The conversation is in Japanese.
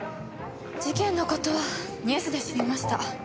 事件の事はニュースで知りました。